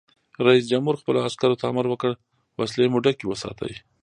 رئیس جمهور خپلو عسکرو ته امر وکړ؛ وسلې مو ډکې وساتئ!